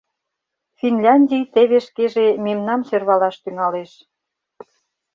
— Финляндий теве шкеже мемнам сӧрвалаш тӱҥалеш.